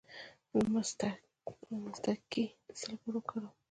د مصطکي د څه لپاره وکاروم؟